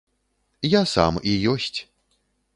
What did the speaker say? Я сам і ёсць.